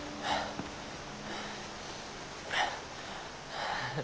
はあ。